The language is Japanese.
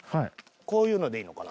こういうのでいいのかな？